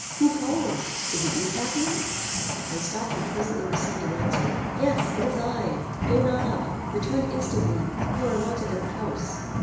Who calls? is it you, Catharine? I stopped and presently received an answer. "Yes, it is I; go not up; return instantly; you are wanted at the house."